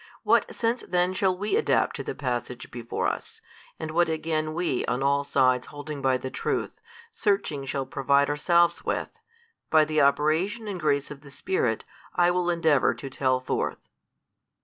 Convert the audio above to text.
What sense then we shall adapt to the passage before us, and what again we, on all sides holding by the truth, searching shall provide ourselves with, by the Operation and grace of the Spirit I will endeavour to tell forth.